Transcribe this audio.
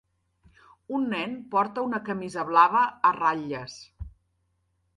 Un nen porta una camisa blava a ratlles.